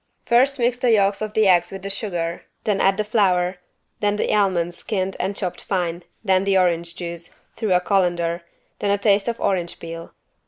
First mix the yolks of the eggs with the sugar, then add the flour, then the almonds skinned and chopped fine, then the orange juice (through a colander) then a taste of orange peel.